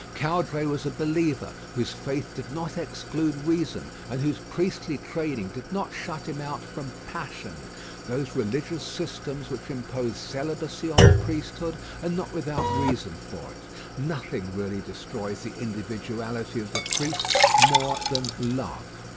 Caudray was a believer whose faith did not exclude reason, and whose priestly training did not shut him out from passion. Those religious systems which impose celibacy on the priesthood are not without reason for it. Nothing really destroys the individuality of the priest more than love.